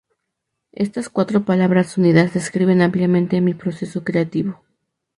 Estas cuatro palabras unidas describen ampliamente mi proceso creativo.